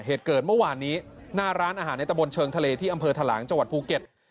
เหตุเกิดเมื่อวานนี้หน้าร้านอาหารในตะบนเชิงทะเลที่อำเภอทะหลังจังหวัดภูเก็ต